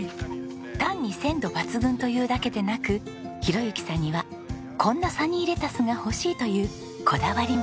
単に鮮度抜群というだけでなく宏幸さんにはこんなサニーレタスが欲しいというこだわりもあるんです。